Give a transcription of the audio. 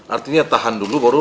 artinya tahan dulu baru